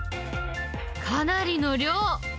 かなりの量。